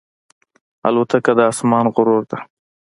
الوتکه د آسمان غرور ده.